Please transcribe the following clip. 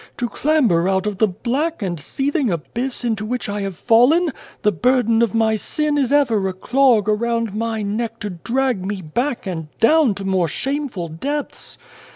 to clamber out of the black and seething abyss into which 202 and the Devil I have fallen, the burden of my sin is ever a clog around my neck to drag me back and down to more shameful depths.'